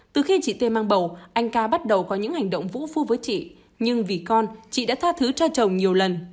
từ khi chị t a t mang bầu anh k a t bắt đầu có những hành động vũ phu với chị nhưng vì con chị đã tha thứ cho chồng nhiều lần